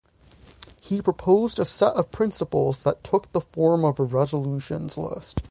He proposed a set of principles that took the form of a resolutions list.